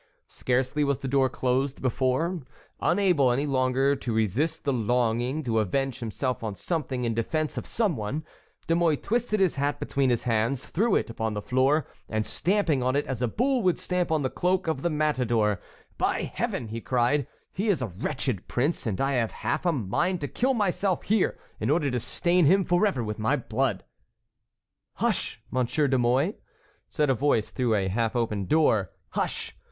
Scarcely was the door closed before, unable any longer to resist the longing to avenge himself on something in defence of some one, De Mouy twisted his hat between his hands, threw it upon the floor, and stamping on it as a bull would stamp on the cloak of the matador: "By Heaven!" he cried, "he is a wretched prince, and I have half a mind to kill myself here in order to stain him forever with my blood." "Hush, Monsieur de Mouy!" said a voice through a half open door; "hush!